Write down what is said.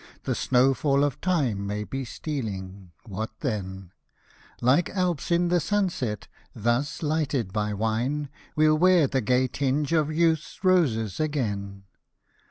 The snow fall of time may be stealing — what then ? Like Alps in the sunset, thus lighted by wine, We'll wear the gay tinge of youth's roses again.